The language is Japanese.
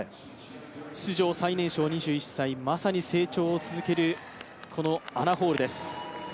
出場最年少２１歳、まさに成長を続けるこのアナ・ホールです。